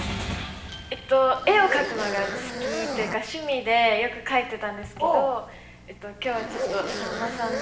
えっと絵を描くのが好きというか趣味でよく描いてたんですけど今日はちょっとさんまさんの。